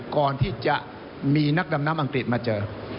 ก่อนที่จะมีนักดำน้ำอังกฤษมาเจอ